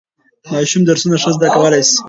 ماشوم درسونه ښه زده کولای نشي.